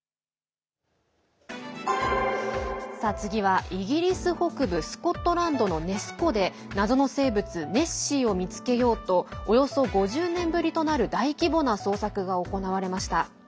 次はイギリス北部スコットランドのネス湖で謎の生物ネッシーを見つけようとおよそ５０年ぶりとなる大規模な捜索が行われました。